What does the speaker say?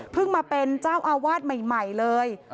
มาเป็นเจ้าอาวาสใหม่เลย